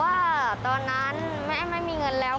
ว่าตอนนั้นแม่ไม่มีเงินแล้ว